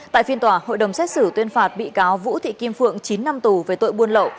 tại phiên tòa hội đồng xét xử tuyên phạt bị cáo vũ thị kim phượng chín năm tù về tội buôn lậu